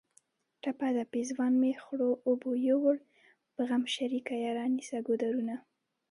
ټپه ده: پېزوان مې خړو اوبو یوړ په غم شریکه یاره نیسه ګودرونه